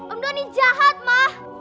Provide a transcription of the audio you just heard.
om doni jahat ma